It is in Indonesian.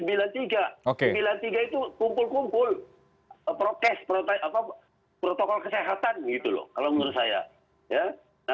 sembilan tiga itu kumpul kumpul protokol kesehatan kalau menurut saya